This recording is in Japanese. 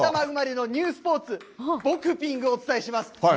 ニュースポーツ、ボクピングをお伝えします。